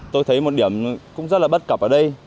tôi thấy một điểm cũng rất là bất cập ở đây